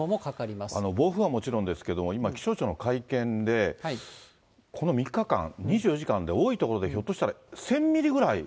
暴風はもちろんですけれども、今、気象庁の会見でこの３日間、２４時間で多い所で１０００